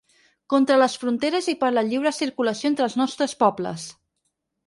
Contra les fronteres i per la lliure circulació entre els nostres pobles!